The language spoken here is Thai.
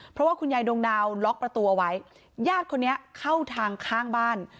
เพราะว่าคุณยายดวงดาวล็อกประตูเอาไว้ญาติคนนี้เข้าทางข้างบ้าน